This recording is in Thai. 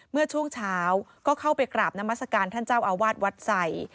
เมื่อช่วงเช้าก็เข้าไปกราบนามัศกาลท่านเจ้าอาวาสวัดใส่